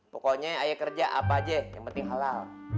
pokoknya ayo kerja apa aja yang penting halal